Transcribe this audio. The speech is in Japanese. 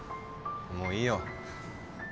もういいよ。